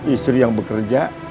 istri yang bekerja